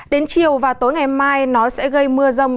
đến chiều và tối ngày mai nó sẽ gây mưa rông